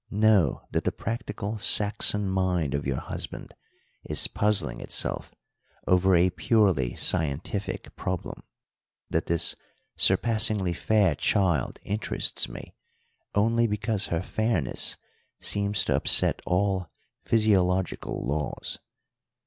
Know that the practical Saxon mind of your husband is puzzling itself over a purely scientific problem, that this surpassingly fair child interests me only because her fairness seems to upset all physiological laws.